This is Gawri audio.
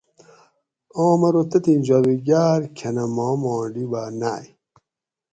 آم ارو تتھی جادوگاۤر کھۤنہ ماں ما ڈیبہ نائی